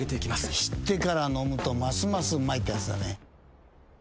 知ってから飲むとますますうまいってやつだね。